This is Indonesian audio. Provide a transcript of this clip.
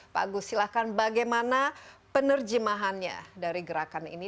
pak agus silahkan bagaimana penerjemahannya dari gerakan ini